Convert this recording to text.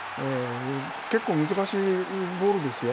結構難しいボールですよ。